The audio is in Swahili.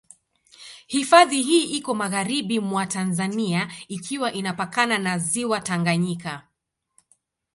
Hifadhi hii iko magharibi mwa Tanzania ikiwa inapakana na Ziwa Tanganyika.